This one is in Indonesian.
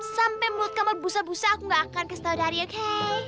sampai mulut kamu berbusa busa aku gak akan kasih tau daddy oke